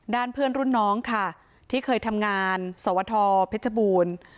เพื่อนรุ่นน้องค่ะที่เคยทำงานสวทเพชรบูรณ์